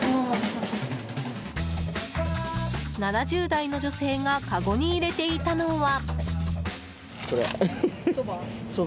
７０代の女性がかごに入れていたのは。